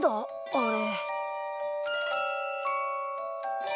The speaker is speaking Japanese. あれ。